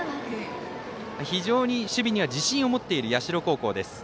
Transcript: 非常に守備には自信を持っている社高校です。